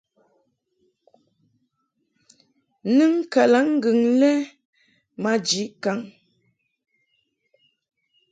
Nɨŋ kalaŋŋgɨŋ lɛ maji kaŋ.